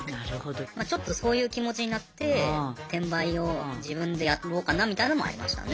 まちょっとそういう気持ちになって転売を自分でやろうかなみたいのもありましたね。